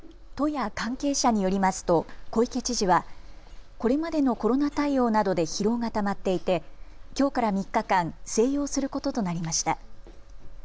都や関係者によりますと小池知事はこれまでのコロナ対応などで疲労がたまっていてきょうから３日間静養することとなりました。